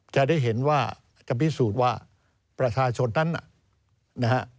จะได้เห็นว่าจะพิสูจน์ว่าประชาชนนั้นนะฮะ